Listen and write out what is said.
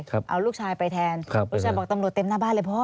เอาลูกชายไปแทนครับลูกชายบอกตำรวจเต็มหน้าบ้านเลยพ่อ